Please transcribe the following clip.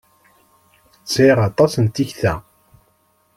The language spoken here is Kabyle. Sɛiɣ aṭas n tekta!